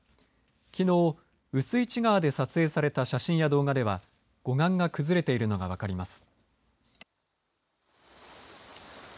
きのう薄市川で撮影された写真や動画では護岸が崩れているのが分かります。